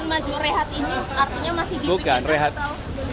rehat ini artinya masih di pikirkan bukan rehat ini